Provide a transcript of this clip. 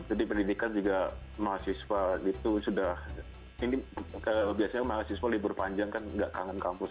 jadi pendidikan juga mahasiswa gitu sudah ini biasanya mahasiswa libur panjang kan nggak kangen kampus